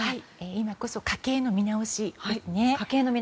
今こそ家計の見直しですね。